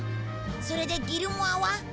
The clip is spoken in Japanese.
それでギルモアは？